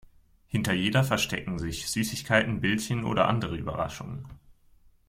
Hinter jeder verstecken sich Süßigkeiten, Bildchen oder andere Überraschungen.